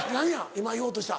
今言おうとした。